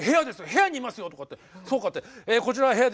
部屋にいますよ」とかってそうかって「こちら部屋です。